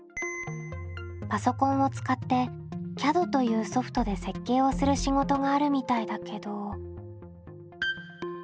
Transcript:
パソコンを使ってＣＡＤというソフトで設計をする仕事があるみたいだけど。